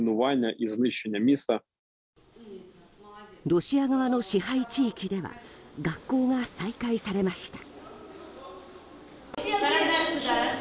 ロシア側の支配地域では学校が再開されました。